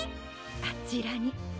あちらに。